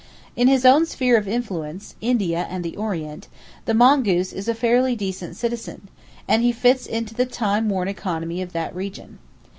In his own sphere of influence,—India and the orient,—the mongoose is a fairly decent citizen, and he fits into the time worn economy of that region.